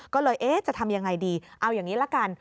ก็เลยจะทำอย่างไรดีเอาอย่างนี้ละกัน